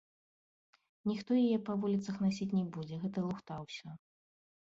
Ніхто яе па вуліцах насіць не будзе, гэта лухта ўсё.